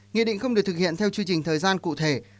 nghị định không được thực hiện theo chương trình thời gian cụ thể